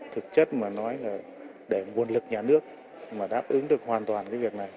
thực chất mà nói là để nguồn lực nhà nước mà đáp ứng được hoàn toàn cái việc này